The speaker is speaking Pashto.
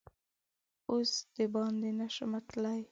اوس دباندې نه شمه تللا ی